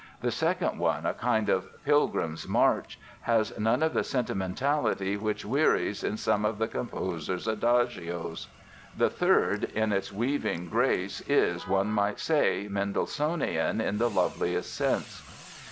The second one, a kind of Pilgrims' March, has none of the sentimentality which wearies in some of the composer's adagios. The third, in its weaving grace is, one might say, Mendelssohnian in the loveliest sense.